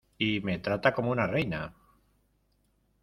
y me trata como una reina.